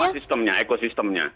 semua sistemnya ekosistemnya